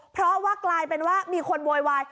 เพราะว่ากลายเป็นว่ามีคนโวยวาย